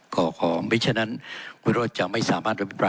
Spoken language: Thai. ขบไม่ใช่ฉะนั้นวันรอดจะไม่สามารถไปปรายต่อได้